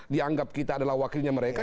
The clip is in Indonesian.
dianggap kita adalah wakilnya mereka